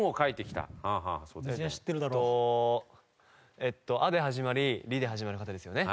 えっと「あ」で始まり「り」で始まる方ですよね。